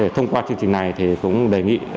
thông qua chương trình này cũng đề nghị